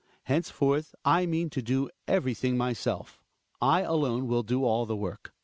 Henceforth I mean to do everything myself; I alone will do all the work.